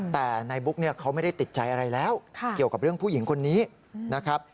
แต่นายบุ๊กเนี่ยเขาไม่ได้ติดใจอะไรแล้วเกี่ยวกับเรื่องผู้หญิงคนนี้นะครับ